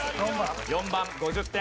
４番５０点。